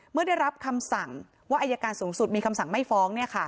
เมื่อได้รับคำสั่งว่าอายการสูงสุดมีคำสั่งไม่ฟ้อง